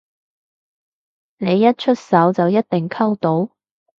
你一出手就一定溝到？